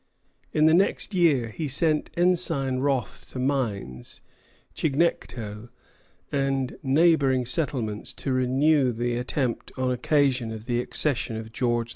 In the next year he sent Ensign Wroth to Mines, Chignecto, and neighboring settlements to renew the attempt on occasion of the accession of George II.